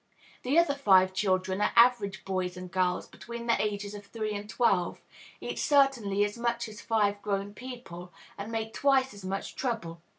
The other five children are average boys and girls, between the ages of three and twelve, eat certainly as much as five grown people, and make twice as much trouble.